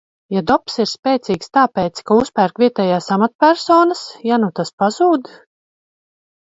Ja Dobss ir spēcīgs tāpēc, ka uzpērk vietējās amatpersonas, ja nu tas pazūd?